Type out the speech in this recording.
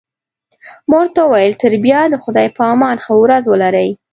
ما ورته وویل: تر بیا د خدای په امان، ښه ورځ ولرئ.